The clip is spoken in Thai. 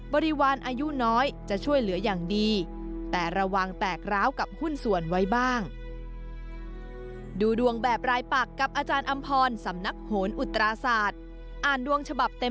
บริวารอายุน้อยจะช่วยเหลืออย่างดีแต่ระวังแตกร้าวกับหุ้นส่วนไว้บ้าง